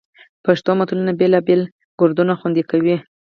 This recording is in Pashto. پښتو متلونه بېلابېل ګړدودونه خوندي کوي